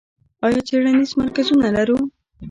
آیا څیړنیز مرکزونه لرو؟